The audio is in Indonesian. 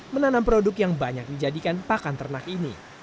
menanam produk yang banyak dijadikan pakan ternak ini